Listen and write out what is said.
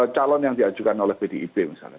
calon yang diajukan oleh pdip misalnya